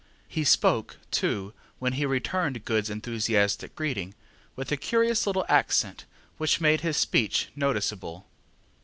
He spoke, too, when he returned GoodŌĆÖs enthusiastic greeting, with a curious little accent, which made his speech noticeable.